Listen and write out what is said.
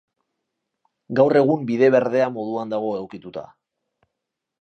Gaur egun bide berdea moduan dago egokituta.